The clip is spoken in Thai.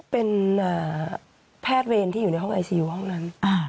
เป็นแพทย์เวรที่อยู่ในห้องไอซียูห้องนั้น